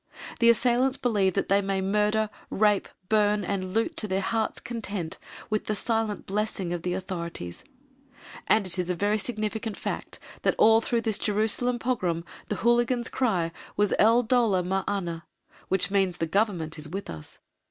The assailants believe that they may murder, rape, burn and loot to their hearts' content, with the silent blessing of the authorities, and it is a very significant fact that all through this Jerusalem pogrom the hooligans' cry was "El dowleh ma ana," which means "_The Government is with us.